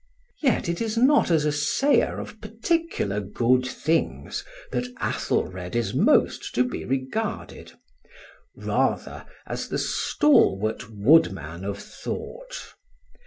Yet it is not as a sayer of particular good things that Athelred is most to be regarded, rather as the stalwart woodman of thought.